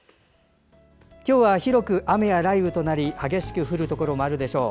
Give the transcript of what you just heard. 今日は広く雨や雷雨となり激しく降るところもあるでしょう。